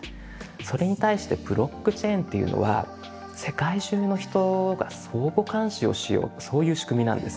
それに対してブロックチェーンというのは世界中の人が相互監視をしようとそういう仕組みなんです。